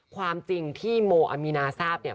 ความจริงที่โมอามีนาทราบเนี่ย